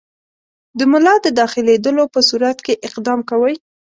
د ملا د داخلېدلو په صورت کې اقدام کوئ.